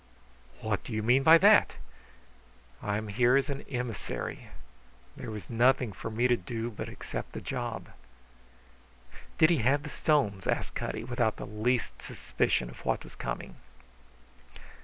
"What do you mean by that?" "I am here as an emissary. There was nothing for me to do but accept the job." "Did he have the stones?" asked Cutty, without the least suspicion of what was coming.